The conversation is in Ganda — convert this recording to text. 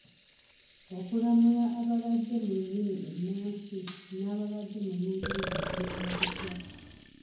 Okulamula ababadde mu nnimi ennansi n’ababadde mu Lungereza kunaaba kutya?